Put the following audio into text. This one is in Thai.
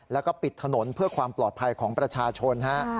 แล้วก็ปิดถนนเพื่อความปลอดภัยของประชาชนฮะ